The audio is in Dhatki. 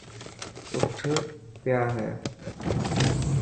اَٺ ڀيا هي.